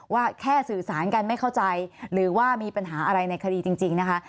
ว่าแค่สื่อสารกันไม่เข้าใจหรือว่ามีปัญหาอะไรในคดีจริงนะคะ